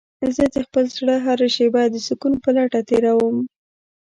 زه د خپل زړه هره شېبه د سکون په لټه تېرووم.